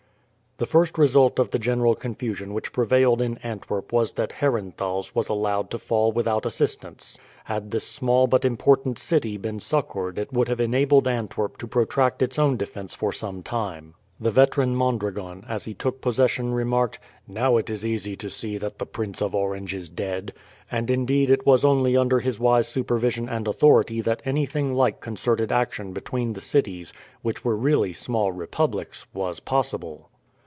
The first result of the general confusion which prevailed in Antwerp was that Herenthals was allowed to fall without assistance. Had this small but important city been succoured it would have enabled Antwerp to protract its own defence for some time. The veteran Mondragon as he took possession remarked, "Now it is easy to see that the Prince of Orange is dead;" and indeed it was only under his wise supervision and authority that anything like concerted action between the cities, which were really small republics, was possible.